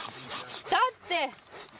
だって！